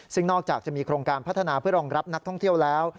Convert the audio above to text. ซึ่งนอกจากจะมีโครงการพัฒนาเพื่อรองรับนักท่องเที่ยวแล้ว